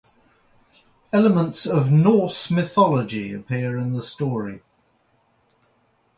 Elements of Norse mythology appear in the story.